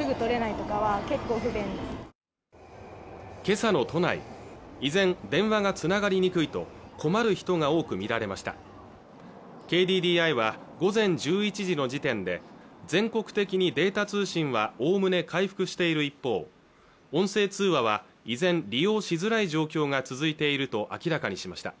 今朝の都内依然電話がつながりにくいと困る人が多く見られましたＫＤＤＩは午前１１時の時点で全国的にデータ通信はおおむね回復している一方音声通話は依然利用しづらい状況が続いていると明らかにしました